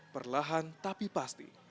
perlahan tapi pasti